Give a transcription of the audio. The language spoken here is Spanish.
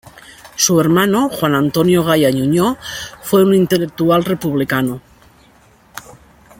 Su hermano, Juan Antonio Gaya Nuño, fue un intelectual republicano.